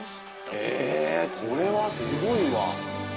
えこれはすごいわ。